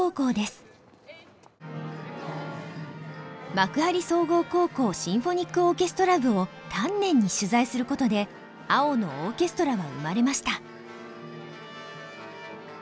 幕張総合高校シンフォニックオーケストラ部を丹念に取材することで「青のオーケストラ」は生まれました。